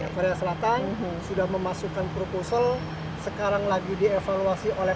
korea selatan sudah memasukkan proposal sekarang lagi dievaluasi oleh